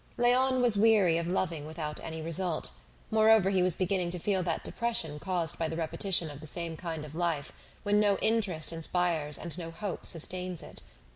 Léon was weary of loving without any result; moreover he was beginning to feel that depression caused by the repetition of the same kind of life, when no interest inspires and no hope sustains it.